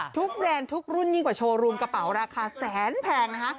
แบรนด์ทุกรุ่นยิ่งกว่าโชว์รูมกระเป๋าราคาแสนแพงนะคะ